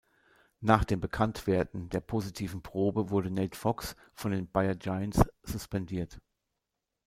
Nach dem Bekanntwerden der positiven Probe wurde Nate Fox von den Bayer Giants suspendiert.